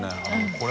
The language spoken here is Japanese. これ。